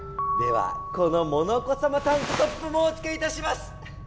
このモノコさまタンクトップもおつけいたします！